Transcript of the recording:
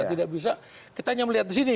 tidak bisa kita hanya melihat di sini